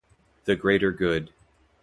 The greater good.